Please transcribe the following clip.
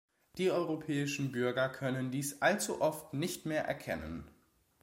Die europäischen Bürger können dies allzu oft nicht mehr erkennen.